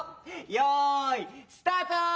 よいスタート！